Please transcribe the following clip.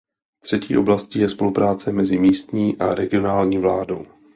Třetí oblastí je spolupráce mezi místní a regionální vládou.